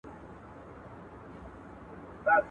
زه به درځم چي نه سپوږمۍ وي نه غمازي سترګي.